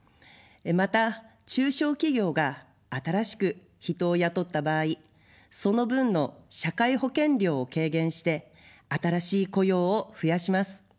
また中小企業が新しく人を雇った場合、その分の社会保険料を軽減して新しい雇用を増やします。